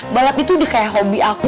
balap itu udah kayak hobi aku